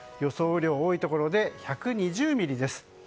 雨量、多いところで１２０ミリです。